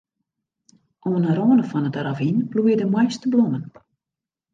Oan 'e râne fan it ravyn bloeie de moaiste blommen.